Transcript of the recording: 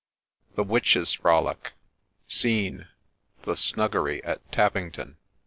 THE WITCHES' FROLIC CScene, the ' Snuggery ' at Tappington.